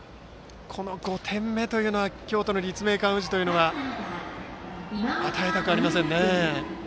この５点目というのは京都の立命館宇治は与えたくありませんね。